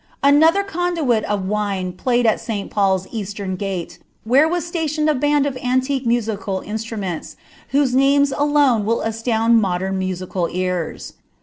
Annlto condnit of wine played at St. Paul's ea ttem gate, where was iiatMud n band of antique musical instruments, whose names alone will aslMmil modern musical ears.